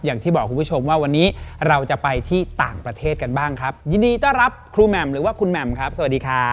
อย่างที่บอกคุณผู้ชมว่าวันนี้เราจะไปที่ต่างประเทศกันบ้างครับยินดีต้อนรับครูแหม่มหรือว่าคุณแหม่มครับสวัสดีครับ